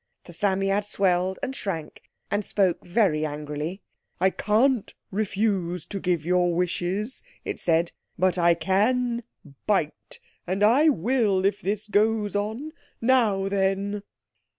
The Psammead swelled and shrank and spoke very angrily. "I can't refuse to give your wishes," it said, "but I can Bite. And I will if this goes on. Now then."